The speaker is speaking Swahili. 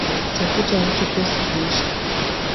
Tafuta watu pesa huisha